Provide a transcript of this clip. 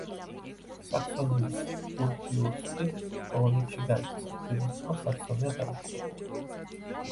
საქსონიის კურფიურსტი პოლონეთში გაიქცა, ფრიდრიხმა საქსონია დაიპყრო.